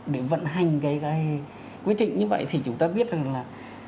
để vận hành cái quy trình như vậy thì chúng ta biết rằng là